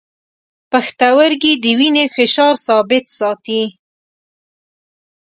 پښتورګي د وینې فشار ثابت ساتي.